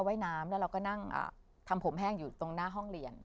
ว่ายน้ำแล้วเราก็นั่งทำผมแห้งอยู่ตรงหน้าห้องเรียน